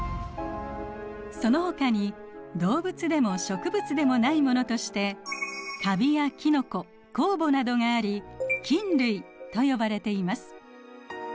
そのほかに動物でも植物でもないものとしてカビやキノコ酵母などがあり菌類と呼ばれています。